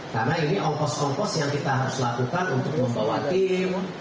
karena ini ongkos ongkos yang kita harus lakukan untuk membawa tim